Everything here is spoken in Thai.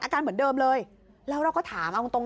การเหมือนเดิมเลยแล้วเราก็ถามเอาตรง